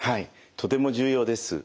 とても重要です。